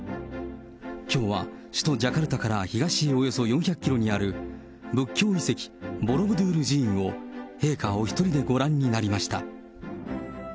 きょうは首都ジャカルタから東へおよそ４００キロにある仏教遺跡、ボロブドゥール寺院を陛下お１人でご覧になりました。